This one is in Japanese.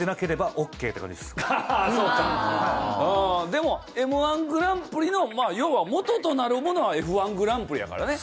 でもＭ−１グランプリの要は元となるものはＦ−１グランプリやからね。